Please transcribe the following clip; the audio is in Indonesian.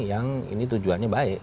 yang ini tujuannya baik